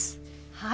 はい！